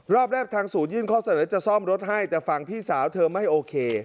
รอบแรกทางศูนยื่นข้อเสนอจะซ่อมรถให้แต่ฝั่งพี่สาวเธอไม่โอเค